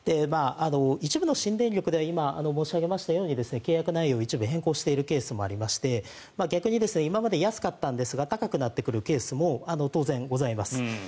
一部の新電力では今、申し上げましたように契約内容を一部変更しているケースもありまして逆に今まで安かったんですが高くなるケースも当然ございます。